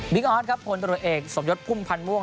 บิ๊กออสครับผลตัวตัวเอกสมยดพุ่มพันธ์ม่วง